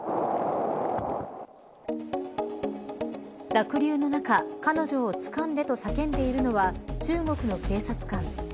濁流の中彼女をつかんでと叫んでいるのは中国の警察官。